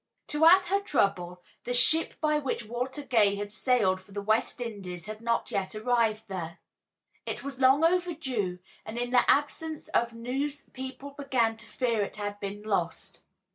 To add to her trouble, the ship by which Walter Gay had sailed for the West Indies had not yet arrived there. It was long overdue, and in the absence of news people began to fear it had been lost.